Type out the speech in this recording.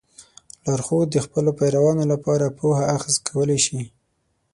لارښود د خپلو پیروانو لپاره پوهه اخذ کولی شي.